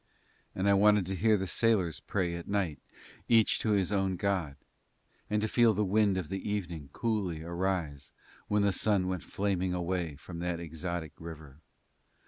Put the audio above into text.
And I wanted to hear the sailors pray at night each to his own god, and to feel the wind of the evening coolly arise when the sun went flaming away from that exotic river.